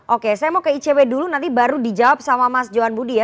oke saya mau ke icw dulu nanti baru dijawab sama mas johan budi ya